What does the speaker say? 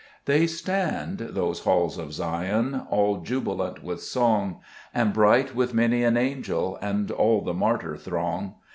2 They stand, those halls of Zion, All jubilant with song, And bright with many an angel, And all the martyr throng.